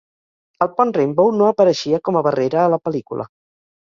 El pont Rainbow no apareixia com a barrera a la pel·lícula.